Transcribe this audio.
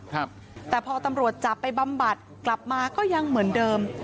ครับแต่พอตำรวจจับไปบำบัดกลับมาก็ยังเหมือนเดิม